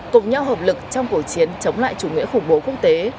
cùng nhau hợp lực trong cuộc chiến chống lại chủ nghĩa khủng bố quốc tế